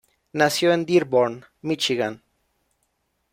Nació en Dearborn, Michigan.